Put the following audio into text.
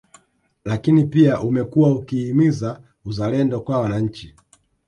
Lakini pia umekuwa ukihimiza uzalendo kwa wananchi